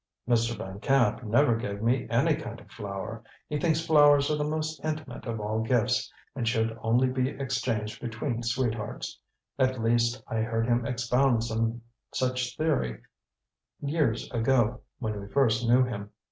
"Mr. Van Camp never gave me any kind of flower. He thinks flowers are the most intimate of all gifts, and should only be exchanged between sweethearts. At least, I heard him expound some such theory years ago, when we first knew him."